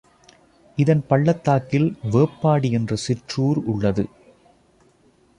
இதன் பள்ளத்தாக்கில் வேப்பாடி என்ற சிற்றூர் உள்ளது.